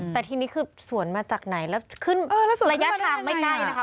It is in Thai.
แต่ทีนี้คือสวนมาจากไหนแล้วขึ้นระยะทางไม่ใกล้นะคะ